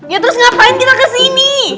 ya terus ngapain kita kesini